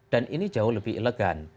dan ini jauh lebih elegan